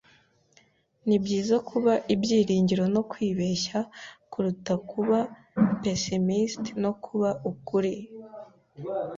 Nibyiza kuba ibyiringiro no kwibeshya kuruta kuba pessimist no kuba ukuri.